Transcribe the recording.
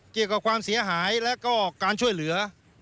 เกี่ยวกับความเสียหายและก็การช่วยเหลือ